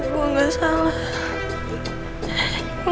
gue gak salah